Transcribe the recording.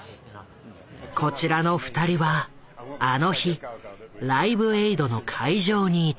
こちらの２人はあの日「ライブエイド」の会場にいた。